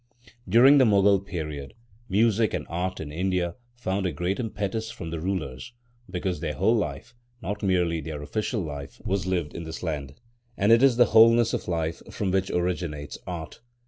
During the Moghal period, music and art in India found a great impetus from the rulers, because their whole life—not merely their official life—was lived in this land; and it is the wholeness of life from which originates Art.